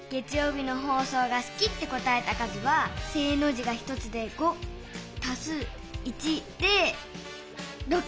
日の放送がすきって答えた数は正の字が１つで５足す１で６！